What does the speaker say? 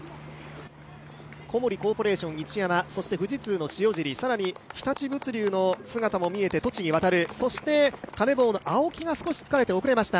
小森コーポレーション・市山、富士通の塩尻、日立物流の姿も見えて栃木渡、そしてカネボウの青木が少し疲れて遅れました。